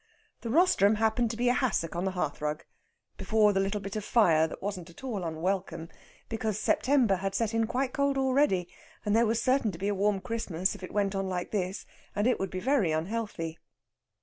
The rostrum happened to be a hassock on the hearthrug, before the little bit of fire that wasn't at all unwelcome, because September had set in quite cold already, and there was certain to be a warm Christmas if it went on like this, and it would be very unhealthy.